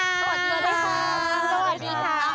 สวัสดีค่ะ